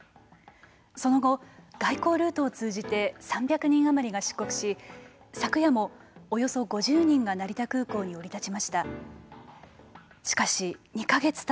その後、外交ルートを通じて３００人余りが出国し昨夜も、およそ５０人が成田空港に降り立ちました。